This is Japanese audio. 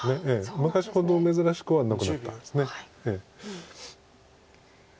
昔ほど珍しくはなくなったです。